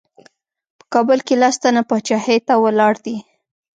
په کابل کې لس تنه پاچاهۍ ته ولاړ دي.